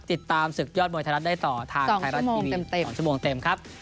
ติดตามศึกยอดมวยไทยรัฐได้ต่อทางไทยรัฐทีวี๒ชั่วโมงเต็มครับ